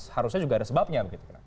harusnya juga ada sebabnya